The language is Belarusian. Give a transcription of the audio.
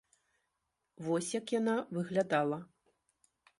Вось як яна выглядала.